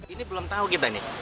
ini belum tahu kita nih